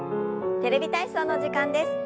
「テレビ体操」の時間です。